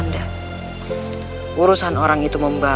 nggak k nutrihkan sesuatu kebiayaan